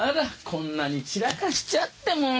こんなに散らかしちゃってもう！